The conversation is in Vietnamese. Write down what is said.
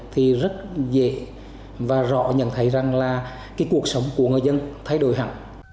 thì rất dễ và rõ nhận thấy rằng là cái cuộc sống của người dân thay đổi hẳn